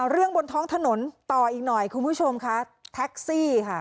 เรื่องบนท้องถนนต่ออีกหน่อยคุณผู้ชมค่ะแท็กซี่ค่ะ